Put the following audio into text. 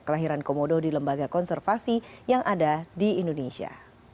kelahiran komodo di lembaga konservasi yang ada di indonesia